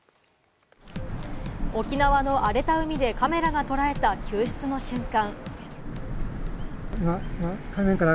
沖縄の荒れた海でカメラが捉えた救出の瞬間。